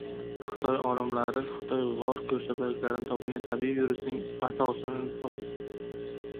Xitoy olimlari Xitoy g‘or ko‘rshapalaklarida topilgan tabiiy virusning «asosi»ni olib